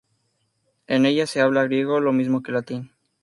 En ella se habla griego lo mismo que latín.